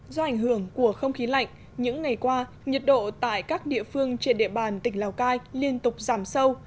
do ảnh hưởng của không khí lạnh những ngày qua nhiệt độ tại các địa phương trên địa bàn tỉnh lào cai liên tục giảm sâu